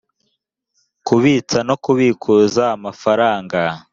b kubitsa no kubikuza amafaranga